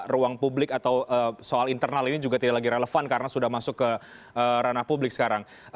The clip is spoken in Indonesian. ruang publik atau soal internal ini juga tidak lagi relevan karena sudah masuk ke ranah publik sekarang